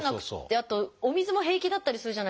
あとお水も平気だったりするじゃないですか。